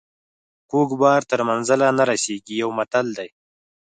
کوږ بار تر منزله نه رسیږي یو متل دی.